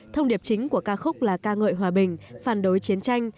thông điệp chính của ca khúc là ca ngợi hòa bình phản đối chiến tranh